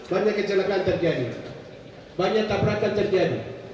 banyak kecelakaan terjadi banyak tabrakan terjadi